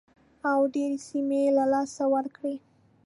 او ډېرې سیمې یې له لاسه ورکړې.